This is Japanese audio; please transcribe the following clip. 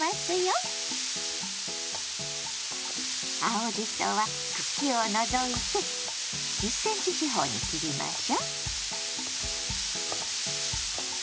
青じそは茎を除いて１ｃｍ四方に切りましょう。